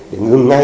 để ngừng ngại